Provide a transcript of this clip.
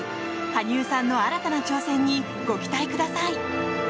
羽生さんの新たな挑戦にご期待ください。